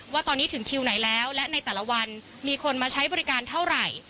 ว่าตอนนี้ถึงคิวไหนแล้วและในแต่ละวันมีคนมาใช้บริการเท่าไหร่